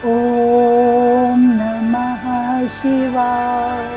โอมนามังชิวาย